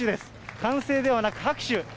歓声ではなく、拍手。